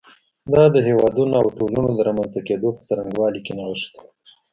دا د هېوادونو او ټولنو د رامنځته کېدو په څرنګوالي کې نغښتی.